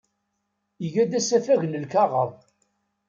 Iga-d asafag n lkaɣeḍ.